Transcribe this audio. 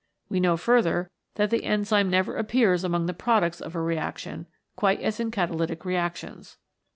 We know further that the enzyme never appears among the products of a reaction, quite as in catalytic reactions.